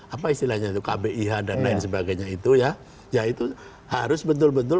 apa istilahnya itu kbih dan lain sebagainya itu ya ya itu harus betul betul